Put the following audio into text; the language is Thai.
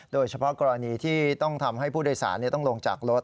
โดยเฉพาะกรณีที่ต้องทำให้ผู้โดยสารต้องลงจากรถ